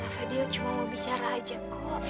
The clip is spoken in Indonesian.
fadil cuma mau bicara aja kok